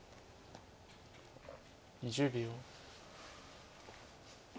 ２０秒。